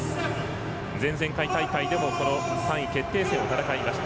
前々回大会でも３位決定戦を戦いました。